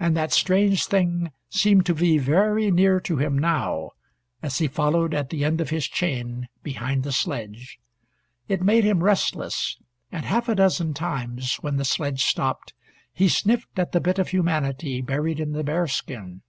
And that strange thing seemed to be very near to him now, as he followed at the end of his chain behind the sledge. It made him restless, and half a dozen times, when the sledge stopped, he sniffed at the bit of humanity buried in the bearskin.